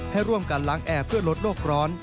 ให้ร่วมกันล้างแอร์เพื่อลดโลกร้อน